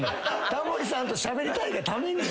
タモリさんとしゃべりたいがために。